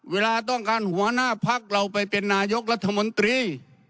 เวลาต้องการหัวหน้าพักเราไปเป็นนายกรัฐมนตรี